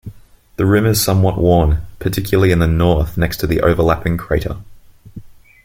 The rim is somewhat worn, particularly in the north next to the overlapping crater.